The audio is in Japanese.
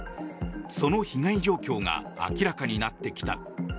その被害状況が明らかになってきた。